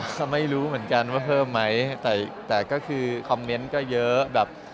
เผิ้มไหมเหรอไงรู้เหมือนกันว่าเผิ้มไหมได้แต่ก็คือคอมเม้นต์ก็เยอะแบบ